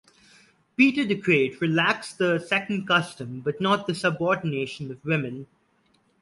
Peter the great relaxed the second custom, but not the subordination of women.